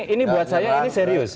ini buat saya serius